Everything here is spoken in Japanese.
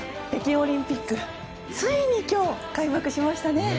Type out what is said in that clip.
北京オリンピックついに今日、開幕しましたね。